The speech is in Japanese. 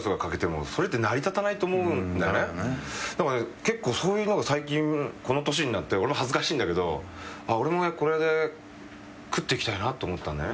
結構そういうのを最近この年になって俺も恥ずかしいんだけど俺もこれで食っていきたいなと思ったんだよね。